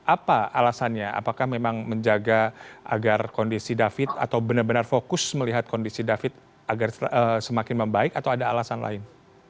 apa alasannya apakah memang menjaga agar kondisi david atau benar benar fokus melihat kondisi david agar semakin membaik atau ada alasan lain